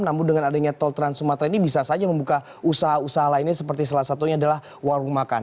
namun dengan adanya tol trans sumatera ini bisa saja membuka usaha usaha lainnya seperti salah satunya adalah warung makan